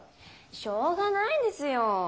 しょうがないですよォ。